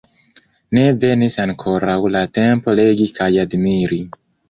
Ne venis ankoraŭ la tempo legi kaj admiri.